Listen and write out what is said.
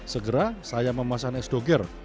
segera saya memasang es doger